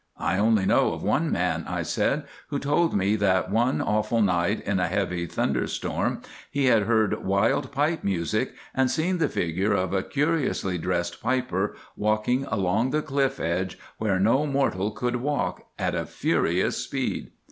"I only know of one man," I said, "who told me that one awful night in a heavy thunderstorm he had heard wild pipe music, and seen the figure of a curiously dressed piper walking along the cliff edge, where no mortal could walk, at a furious speed."